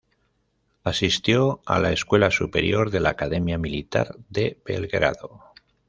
Asistió a la Escuela Superior de la Academia Militar de Belgrado.